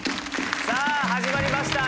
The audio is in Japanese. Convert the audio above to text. さあ始まりました